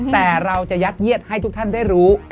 แต่เราจะยัดเยียดให้ทุกท่านได้รู้